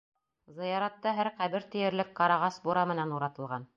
Зыяратта һәр ҡәбер тиерлек ҡарағас бура менән уратылған.